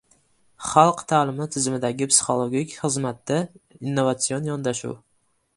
Xalq ta’limi tizimidagi psixologik xizmatda innovatsion yondashuv